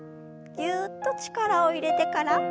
ぎゅっと力を入れてから抜きます。